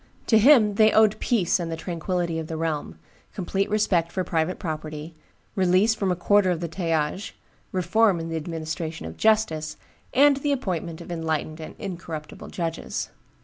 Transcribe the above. To him they owed peace and the tranquillity of the realm, complete respect for private property, release from a quarter of the talliages, reform in the administration of justice, and the appointment of enlightened and incorruptible judges.